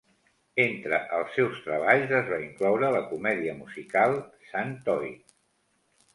Entre els seus treballs es va incloure la comèdia musical San Toy.